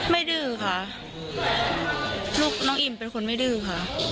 ดื้อค่ะลูกน้องอิ่มเป็นคนไม่ดื้อค่ะ